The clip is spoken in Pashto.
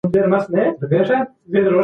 هر څوک د خپل باور د څرګندولو حق لري.